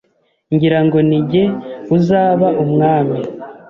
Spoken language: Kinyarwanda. ngira ngo ni jye uzaba umwami